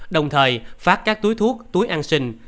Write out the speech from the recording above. đồng thời phát các túi thuốc túi ăn sinh